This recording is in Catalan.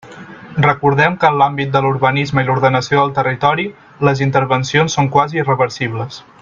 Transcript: Recordem que en l'àmbit de l'urbanisme i l'ordenació del territori, les intervencions són quasi irreversibles.